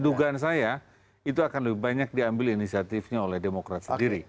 dugaan saya itu akan lebih banyak diambil inisiatifnya oleh demokrat sendiri